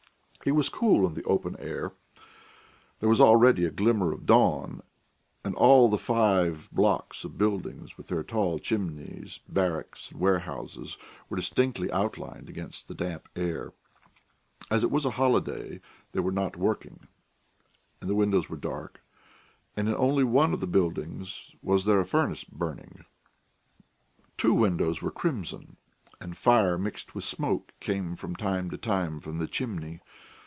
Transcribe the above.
It was cool in the open air; there was already a glimmer of dawn, and all the five blocks of buildings, with their tall chimneys, barracks, and warehouses, were distinctly outlined against the damp air. As it was a holiday, they were not working, and the windows were dark, and in only one of the buildings was there a furnace burning; two windows were crimson, and fire mixed with smoke came from time to time from the chimney.